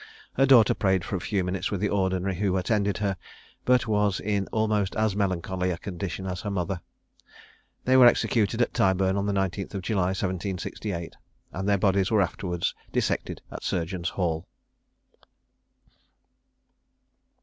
Her daughter prayed for a few minutes with the ordinary who attended her, but was in almost as melancholy a condition as her mother. They were executed at Tyburn on the 19th July 1768, and their bodies were afterwards dissected at Surgeons' Hall.